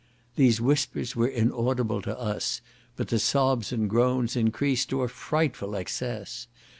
These whispers were inaudible to us, but the sobs and groans increased to a frightful excess.